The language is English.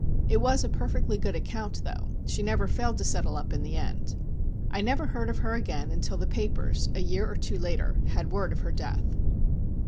It was a perfectly good account, though; she never failed to settle up in the end. I never heard of her again until the papers, a year or two later, had word of her death.